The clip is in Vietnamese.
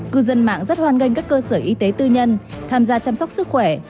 cư dân mạng rất hoan nghênh các cơ sở y tế tư nhân tham gia chăm sóc sức khỏe